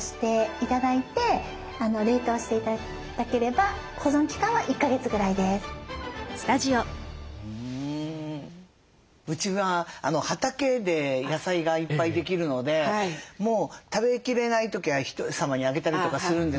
バナナだけではなく例えばうちは畑で野菜がいっぱいできるのでもう食べきれない時はひとさまにあげたりとかするんですけど。